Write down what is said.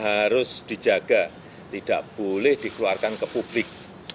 harus dijaga tidak boleh dikeluarkan ke publik